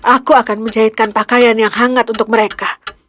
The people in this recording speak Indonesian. aku akan menjahitkan pakaian yang hangat untuk mereka